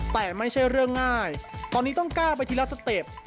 แต่ไม่ใช่เรื่องง่ายตอนนี้ต้องก้าวไปทีละสเต็ป